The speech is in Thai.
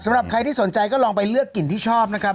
สำหรับใครที่สนใจก็ลองไปเลือกกลิ่นที่ชอบนะครับ